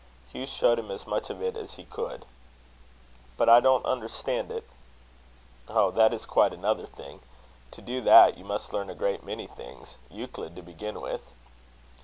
Hugh showed him as much of it as he could. "But I don't understand it." "Oh! that is quite another thing. To do that, you must learn a great many things Euclid to begin with."